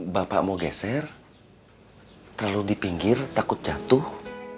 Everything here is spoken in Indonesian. bapak mau geser terlalu di pinggir takut jatuh